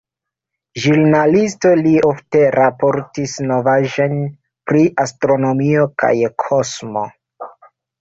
Ĵurnalisto, li ofte raportis novaĵojn pri astronomio kaj kosmo.